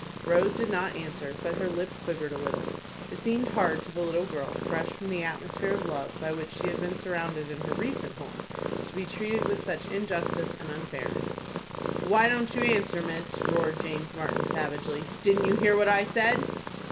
Rose did not answer, but her lip quivered a little. It seemed hard to the little girl, fresh from the atmosphere of love by which she had been surrounded in her recent home, to be treated with such injustice and unfairness. "Why don't you answer, miss?" roared James Martin, savagely. "Didn't you hear what I said?"